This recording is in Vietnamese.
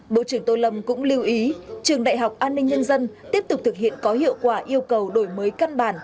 bộ trưởng tô lâm cũng lưu ý trường đại học an ninh nhân dân tiếp tục thực hiện có hiệu quả yêu cầu đổi mới căn bản